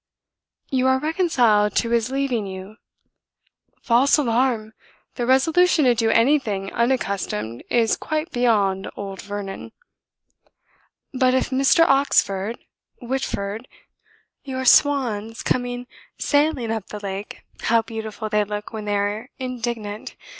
"You are reconciled to his leaving you?" "False alarm! The resolution to do anything unaccustomed is quite beyond old Vernon." "But if Mr. Oxford Whitford ... your swans coming sailing up the lake, how beautiful they look when they are indignant!